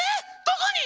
どこに？